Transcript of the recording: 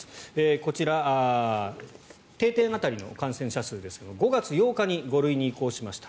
こちら定点当たりの感染者数ですが５月８日に５類に移行しました。